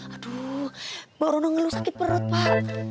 aduh mbok orono ngeluh sakit perut pak